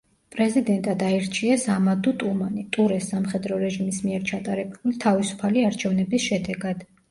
პრეზიდენტად აირჩიეს ამადუ ტუმანი ტურეს სამხედრო რეჟიმის მიერ ჩატარებული თავისუფალი არჩევნების შედეგად.